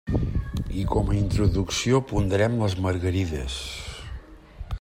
I com a introducció ponderem les margarides.